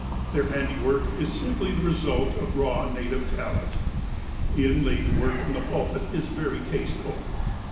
Their handiwork is simply the result of the raw native talent. The inlaid work on the pulpit is very tasteful.